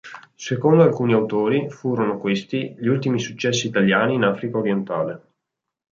Secondo alcuni autori, furono, questi, gli ultimi successi italiani in Africa Orientale.